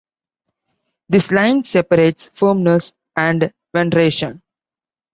This line separates Firmness and Veneration.